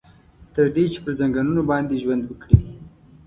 تر دې چې پر ځنګنونو باندې ژوند وکړي.